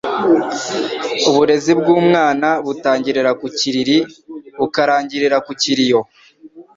Uburezi bw’umwana butangirira ku kiriri bukarangirira ku kiriyo